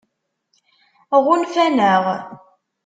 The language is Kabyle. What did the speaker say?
Ɣunfan-aɣ?